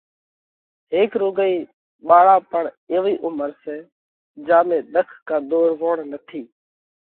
هيڪ رُوڳئِي ٻاۯا پڻ ايوئي عُمر سئہ، جيا ۾ ۮک ڪا ۮورووڻ نٿِي۔